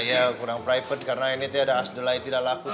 ya kurang private karena ini ada asdelai tidak laku